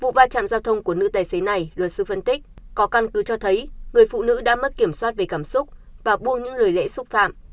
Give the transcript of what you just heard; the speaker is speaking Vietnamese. vụ va chạm giao thông của nữ tài xế này luật sư phân tích có căn cứ cho thấy người phụ nữ đã mất kiểm soát về cảm xúc và buông những lời lẽ xúc phạm